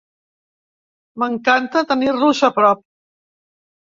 M'encanta tenir-los a prop.